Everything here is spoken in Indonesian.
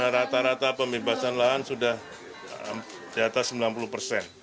rata rata pembebasan lahan sudah di atas sembilan puluh persen